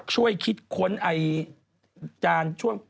ช่วยคิดค้นไอจารย์